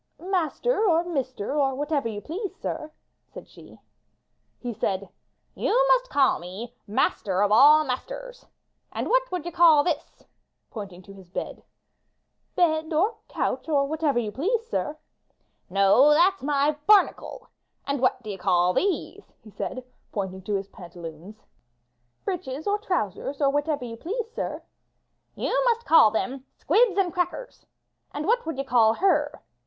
"Master or mister, or whatever you please, sir,'* said she. He said: You must call me 'master of all masters.' And what would you call this?'' pointing to his bed. Bed or couch, or whatever you please, sir." '*No, that's my 'barnacle.' And what do you call these?" said he, pointing to his pantaloons. ''Breeches or trousers, or whatever you please, sir." "You must call them 'squibs and crackers.' And what would you call her?"